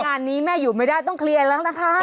งานนี้แม่อยู่ไม่ได้ต้องเคลียร์แล้วนะคะ